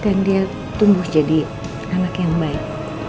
dan dia tumbuh jadi anak yang baik